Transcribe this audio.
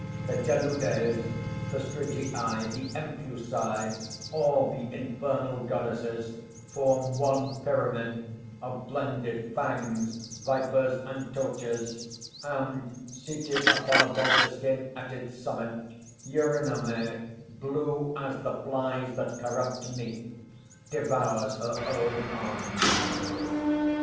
_ _The Gelludes, the Strygii, the Empusæ, all the infernal goddesses, form one pyramid of blended fangs, vipers, and torches; and seated upon a vulture skin at its summit, Eurynome, blue as the flies that corrupt meat, devours her own arms.